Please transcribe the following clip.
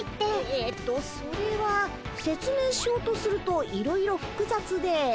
えっとそれはせつ明しようとするといろいろふくざつで。